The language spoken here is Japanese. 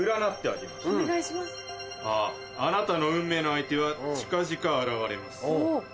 あぁあなたの運命の相手は近々現れます。